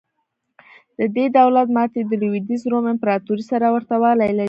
د دې دولت ماتې د لوېدیځ روم امپراتورۍ سره ورته والی لري.